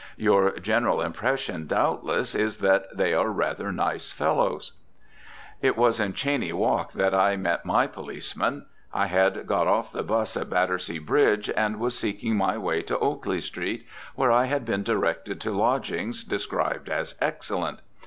Your general impression doubtless is that they are rather nice fellows. It was in Cheyne Walk that I met my policeman. I had got off the 'bus at Battersea Bridge, and was seeking my way to Oakley Street, where I had been directed to lodgings described as excellent.